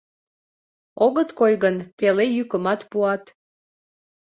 Огыт кой гын, пеле йӱкымат пуат.